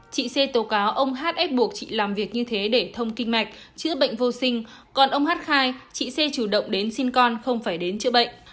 trị xê tố cáo ông hát ép buộc chị làm việc như thế để thông kinh mạch chữa bệnh vô sinh còn ông hát khai trị xê chủ động đến xin con không phải đến chữa bệnh